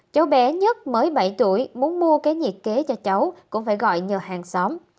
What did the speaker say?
cháu bé nhất mới bảy tuổi muốn mua cái nhiệt kế cho cháu cũng phải gọi nhờ hàng xóm